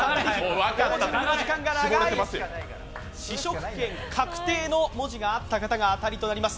試食権の文字があった方が確定となります。